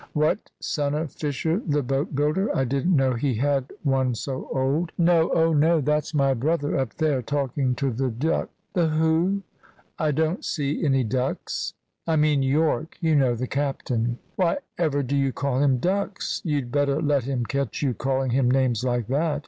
"What, son of Fisher the boat builder? I didn't know he had one so old." "No, oh no. That's my brother up there, talking to the Dux." "The who? I don't see any ducks." "I mean Yorke, you know, the captain." "Why ever do you call him ducks? You'd better let him catch you calling him names like that.